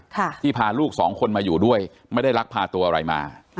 ค่ะที่พาลูกสองคนมาอยู่ด้วยไม่ได้ลักพาตัวอะไรมา